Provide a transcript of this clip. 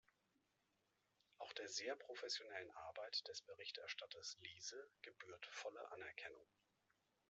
Auch der sehr professionellen Arbeit des Berichterstatters Liese gebührt volle Anerkennung.